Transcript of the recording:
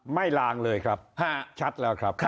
ลางเลยครับชัดแล้วครับ